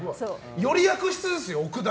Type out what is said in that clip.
より悪質ですよ！